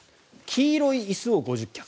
黄色い椅子を５０脚。